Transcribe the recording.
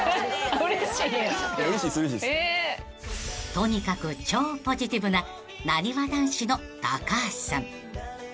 ［とにかく超ポジティブななにわ男子の高橋さん］